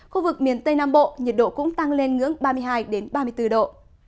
khu vực miền tây nam bộ nhiệt độ cũng tăng lên ngưỡng ba mươi hai ba mươi bốn độ